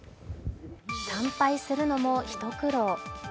参拝するのも一苦労。